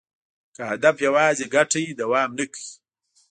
که هدف یوازې ګټه وي، دوام نه کوي.